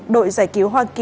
đội giải cứu hoa kỳ